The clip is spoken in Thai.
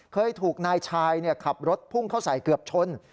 เคยถูกนายชายขับรถพุ่งเข้าใส่เกือบชน